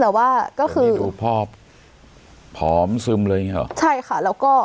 แต่ว่าก็คือดูภาพผอมซึมเลยอย่างเงี้หรอใช่ค่ะแล้วก็